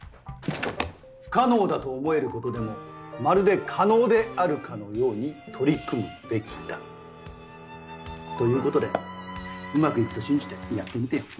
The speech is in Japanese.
「不可能だと思えることでもまるで可能であるかのように取り組むべきだ」ということでうまくいくと信じてやってみてよ。